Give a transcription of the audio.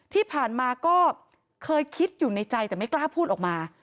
ที่ผ่านมาก็เคยคิดอยู่ในใจแต่ไม่กล้าพูดออกมา